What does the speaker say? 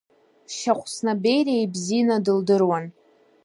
Шьахәсна Бериа ибзианы дылдыруан.